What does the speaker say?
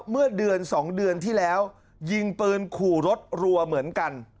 เมื่อเดือน๒เดือนที่แล้วยิงปืนขู่รถรัวเหมือนกัน